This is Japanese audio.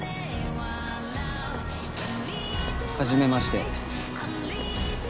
はじめまして。